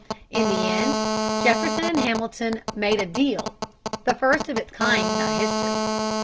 In the end Jefferson and Hamilton made "a deal," the first of its kind in our history.